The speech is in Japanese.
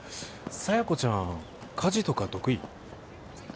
佐弥子ちゃん家事とか得意？